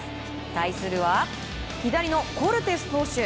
対するは、左のコルテス投手。